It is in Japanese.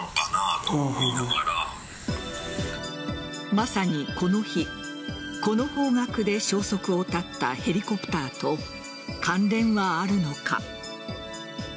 まさにこの日、この方角で消息を絶ったヘリコプターと関連はあるのか。